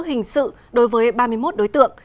hình sự đối với ba mươi một đối tượng